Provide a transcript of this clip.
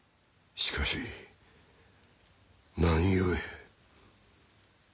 しかし何故。